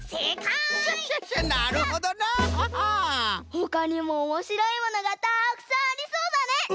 ほかにもおもしろいものがたくさんありそうだね。